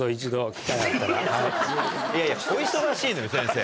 いやいやお忙しいのよ先生。